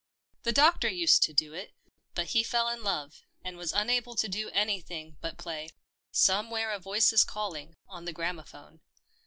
The Doctor used to do it — but he fell in love, and was unable to do anything but play " Somewhere a Voice is Calling " on the gramophone.